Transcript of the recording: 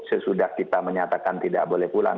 sesudah kita menyatakan tidak boleh pulang